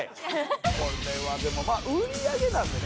これはでも売り上げなんでね。